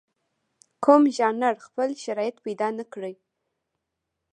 کوم ژانر خپل شرایط پیدا نکړي.